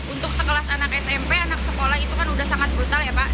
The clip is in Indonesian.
untuk sekelas anak smp anak sekolah itu kan sudah sangat brutal ya pak